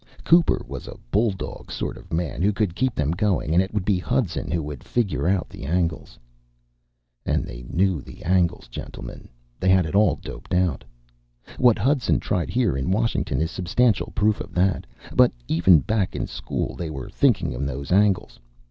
Cooper was a bulldog sort of man who could keep them going and it would be Hudson who would figure out the angles. "And they knew the angles, gentlemen. They had it all doped out. "What Hudson tried here in Washington is substantial proof of that. But even back in school, they were thinking of those angles.